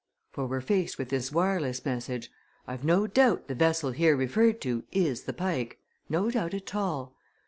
For we're faced with this wireless message. I've no doubt the vessel here referred to is the Pike no doubt at all.